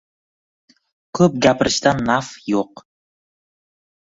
Ko‘p gapirishdan naf yo‘q.